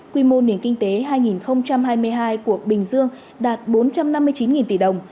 quy mô nền kinh tế hai nghìn hai mươi hai của bình dương đạt bốn trăm năm mươi chín tỷ đồng